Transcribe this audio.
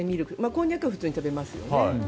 こんにゃくは普通に食べますよね。